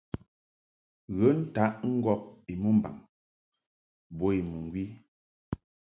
Ghə ntaʼ ŋgɔb I mɨmbaŋ bo I mɨŋgwi.